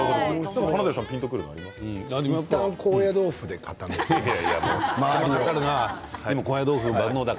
いったん高野豆腐で固めて、周りを。